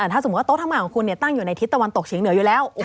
ถ้าสมมุติโต๊ะทำงานของคุณตั้งอยู่ในทิศตะวันตกเฉียงเหนืออยู่แล้ว